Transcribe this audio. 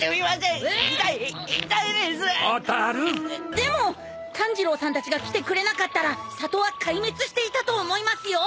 でも炭治郎さんたちが来てくれなかったら里は壊滅していたと思いますよ。